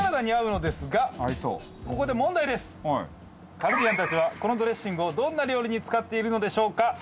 カルディアンたちはこのドレッシングをどんな料理に使っているのでしょうか？